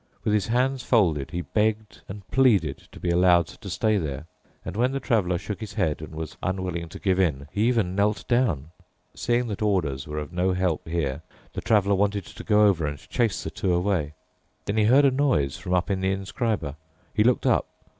With his hands folded he begged and pleaded to be allowed to stay there. And when the Traveler shook his head and was unwilling to give in, he even knelt down. Seeing that orders were of no help here, the Traveler wanted to go over and chase the two away. Then he heard a noise from up in the inscriber. He looked up.